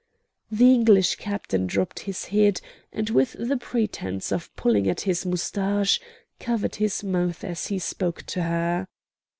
The English captain dropped his head, and with the pretence of pulling at his mustache, covered his mouth as he spoke to her.